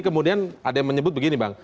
kemudian ada yang menyebut begini bang